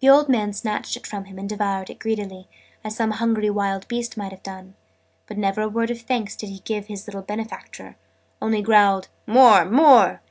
The old man snatched it from him, and devoured it greedily, as some hungry wild beast might have done, but never a word of thanks did he give his little benefactor only growled "More, more!"